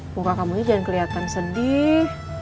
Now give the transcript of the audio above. muka kamu juga jangan kelihatan sedih